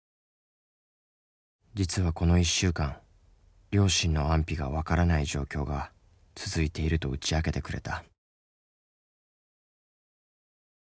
実はこの１週間両親の安否が分からない状況が続いていると打ち明けてくれた。